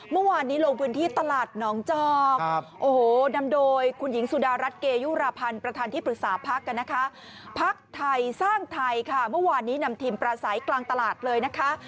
เมื่อวานนี้นำทีมปราศัยกลางตลาดเลยนะคะ